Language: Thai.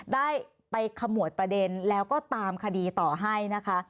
ได้ไปขมวดประเด็นแล้วก็ตามคดีต่อให้นะคะ